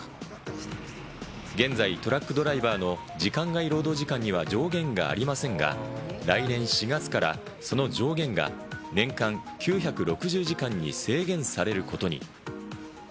現在、トラックドライバーの時間外労働時間には上限がありませんが、来年４月からその上限が年間９６０時間に制限されることに。